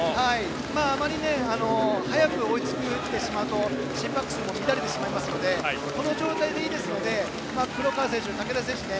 あまり早く追いついてしまうと心拍数も乱れますのでこの状態でいいですので黒川選手、竹田選手